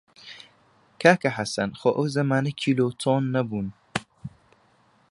کاکە حەسەن خۆ ئەو زەمانە کیلۆ و تۆن نەبوون!